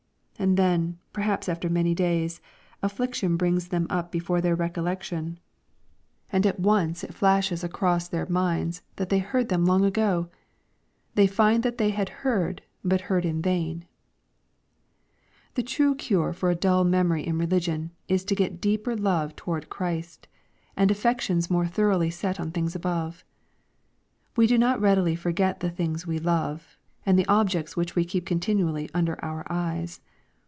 And then, perhaps after many days, affliction brings them up before their recollection, and at once it flashes across their 494 EXPOSITORY THOUGHTS. miads that they heard them long ago 1 Thejr find that they had heard, but heard in vain. The true cure for a dull memory in religion, is to get deeper love toward Christ, and affections more thoroughly set on things above. We do not readily forget the things we love, and the objects which we keep continually under our eyes.